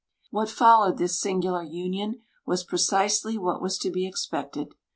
What followed this singular union was precisely what was to be expected.